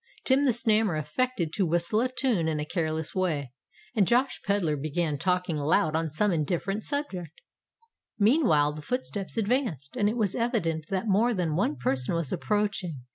Tim the Snammer affected to whistle a tune in a careless way; and Josh Pedler began talking loud on some indifferent subject. Meantime, the footsteps advanced; and it was evident that more than one person was approaching.